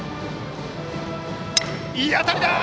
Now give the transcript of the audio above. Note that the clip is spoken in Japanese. いい当たり！